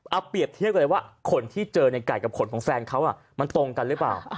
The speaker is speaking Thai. เอาเปรียบเทียบกันเลยว่าขนที่เจอในไก่กับขนของแฟนเขามันตรงกันหรือเปล่า